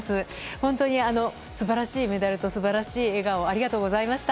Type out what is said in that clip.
本当に素晴らしいメダルと素晴らしい笑顔ありがとうございました。